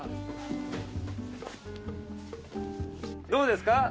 どうですか？